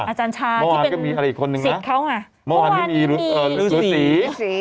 เมื่อวานก็มีอีกคนนึงนะเมื่อวานที่มีรูสี